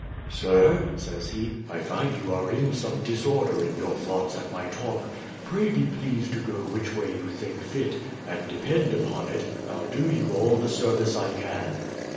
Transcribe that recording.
"Sir," says he, "I find you are in some disorder in your thoughts at my talk: pray be pleased to go which way you think fit, and depend upon it, I'll do you all the service I can."